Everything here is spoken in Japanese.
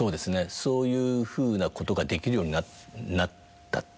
そういうふうなことができるようになったっていうか。